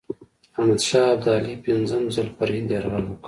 احمدشاه ابدالي پنځم ځل پر هند یرغل وکړ.